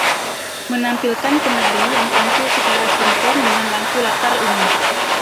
Menampilkan penari yang tampil secara sinkron dengan lampu latar ungu.